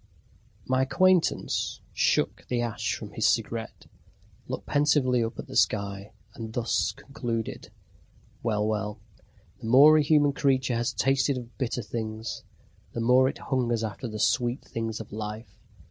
My acquaintance shook the ash from his cigarette, looked pensively up at the sky, and thus concluded: Well, well, the more a human creature has tasted of bitter things the more it hungers after the sweet things of life.